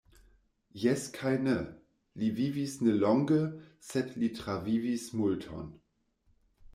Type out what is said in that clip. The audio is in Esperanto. Jes kaj ne; li vivis ne longe, sed li travivis multon.